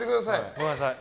ごめんなさい。